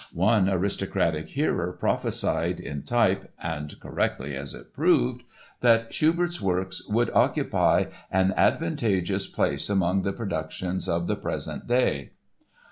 One aristocratic hearer prophesied in type (and correctly, as it proved) that Schubert's works "would occupy an advantageous place among the productions of the present day."